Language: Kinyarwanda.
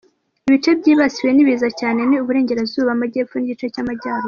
Ibice byibasiwe n’ibiza cyane ni Uburengerazuba, Amajyepfo n’igice cy’Amajyaruguru.